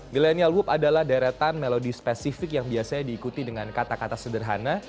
millennial woop adalah deretan melodi spesifik yang biasanya diikuti dengan kata kata sederhana